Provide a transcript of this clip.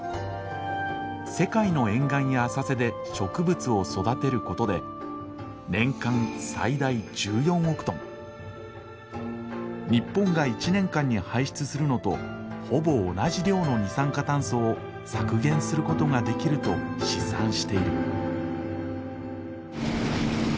世界の沿岸や浅瀬で植物を育てることで年間最大１４億トン日本が１年間に排出するのとほぼ同じ量の二酸化炭素を削減することができると試算している。